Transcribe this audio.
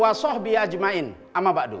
waalaikumsalam warahmatullah wabarakatuh